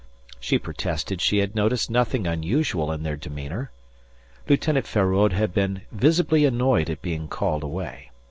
She protested she had noticed nothing unusual in their demeanour. Lieutenant Feraud had been visibly annoyed at being called away.